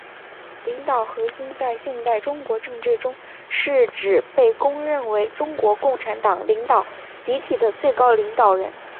领导核心在现代中国政治中是指被公认为中国共产党领导集体的最高领导人。